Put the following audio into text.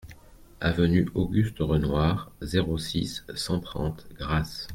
Avenue Auguste Renoir, zéro six, cent trente Grasse